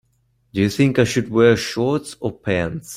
Do you think I should wear shorts or pants?